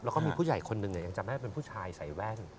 แล้วก็มีผู้ใหญ่คนหนึ่งยังจำได้เป็นผู้ชายใส่แว่น